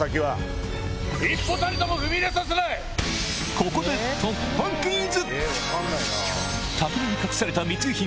ここで突破クイズ！